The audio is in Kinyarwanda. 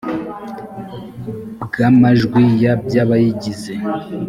bw amajwi ya by abayigize